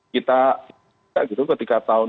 kita ketika tahun dua ribu dua belas